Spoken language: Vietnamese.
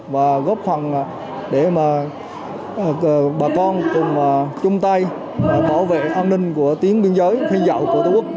và góp phần để mà bà con cùng chung tay bảo vệ an ninh của tiếng biên giới thiên dạo của tổ quốc